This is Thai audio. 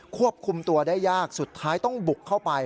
ควบคุมตัวได้ยากสุดท้ายต้องบุกเข้าไป